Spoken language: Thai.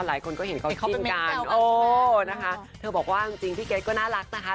หลายคนก็เห็นเขาจิ้นกันโอ้นะคะเธอบอกว่าจริงพี่เกรทก็น่ารักนะคะ